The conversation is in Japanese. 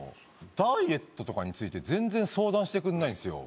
ダイエットとかについて全然相談してくれないんですよ。